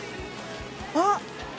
あっ！